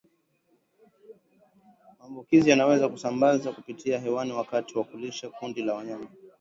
Maambukizi yanaweza kusambazwa kupitia hewani wakati wa kulisha kundi la wanyama